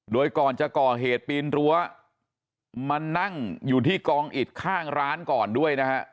โดยก่อนจะก่อเหตุปีนรั้วมานั่งอยู่ที่กองอิดข้างร้านก่อนด้วยนะฮะ